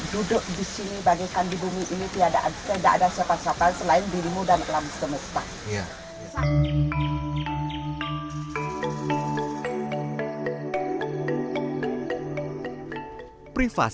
duduk di sini bagaikan di bumi ini tidak ada sapa sapa selain dirimu dan alhamdulillah